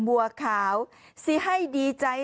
บวกวะขาวเพื่อให้ดีใจ